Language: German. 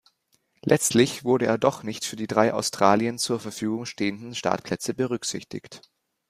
Letztlich wurde er doch nicht für die drei Australien zur Verfügung stehenden Startplätze berücksichtigt.